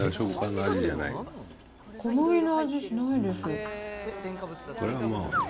小麦の味、しないです。